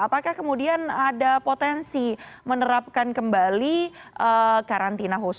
apakah kemudian ada potensi menerapkan kembali karantina khusus